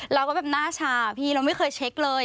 เราก็แบบหน้าชาพี่เราไม่เคยเช็คเลย